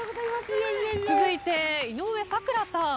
続いて井上咲楽さん。